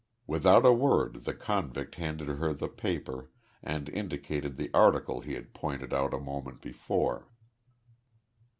Without a word the convict handed her the paper and indicated the article he had pointed out a moment before.